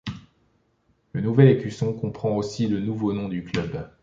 Le nouvel écusson comprend aussi le nouveau nom du club.